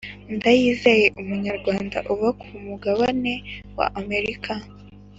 Ndayizeye umunyarwanda uba ku mugabane wa america